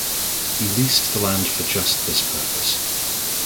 He leased the land for just this purpose.